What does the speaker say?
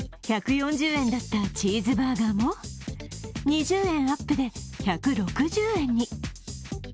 １４０円だったチーズバーガーも２０円アップで１６０円に。